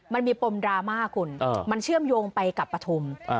มันมีปมดราม่าคุณมันเชื่อมโยงไปกับปฐุม